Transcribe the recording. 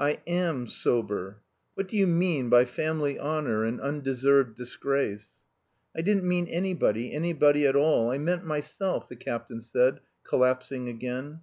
"I am... sober." "What do you mean by family honour and undeserved disgrace?" "I didn't mean anybody, anybody at all. I meant myself," the captain said, collapsing again.